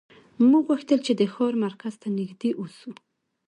موږ غوښتل چې د ښار مرکز ته نږدې اوسو